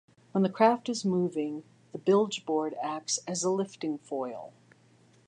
When the craft is moving, the bilgeboard acts as a lifting foil.